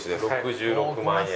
６６万円。